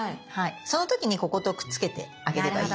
その時にこことくっつけてあげればいい。